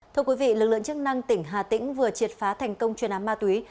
thưa quý vị lực lượng chức năng tỉnh hà tĩnh vừa triệt phá thành công chuyên án ma túy